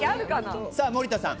森田さん。